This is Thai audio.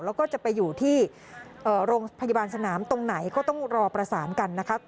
แล้วก็จะไปอยู่ที่โรงพยาบาลสนามตรงไหนก็ต้องรอประสานกันนะคะ